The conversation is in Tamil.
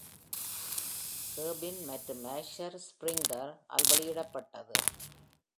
Korbin மற்றும் Asher, Springer ஆல் வெளியிடப்பட்டது.